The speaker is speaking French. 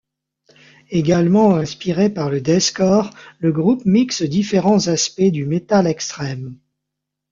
Également inspiré par le deathcore, le groupe mixe différents aspects du metal extrême.